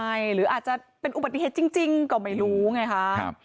ใช่หรืออาจจะเป็นอุบัติเหตุจริงก็ไม่รู้ไงคะ